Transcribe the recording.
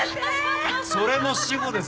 それも死語です。